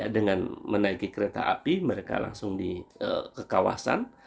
dengan menaiki kereta api mereka langsung ke kawasan